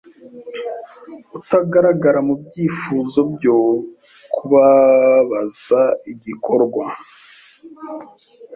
Utagaragara mubyifuzo byo kubabazaIgikorwa